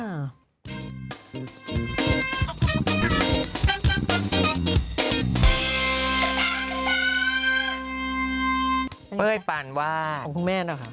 ของคุณแม่นคะ